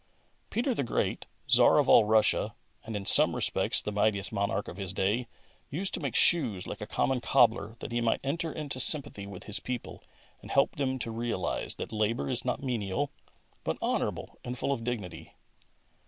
P ETER THE GREAT, Czar of all Russia, and in some respects the mightiest monarch of his day, used to make shoes like a common cobbler, that he might enter into sympathy with his people and help them to realise that labour is not menial, but honourable and full of dignity.